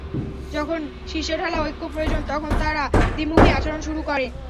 যখন সিসাঢালা ঐক্য প্রয়োজন তখন তারা দ্বিমুখী আচরণ শুরু করে।